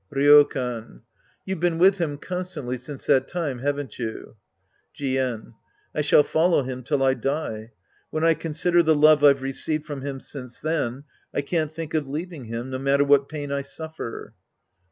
Ryokan. You've been with him constantly since that time, haven't you ? i Jien. I shall follow him till I die. When I con sider the love I've received from him since then, I can't think of leaving him, no matter what pain I suffer.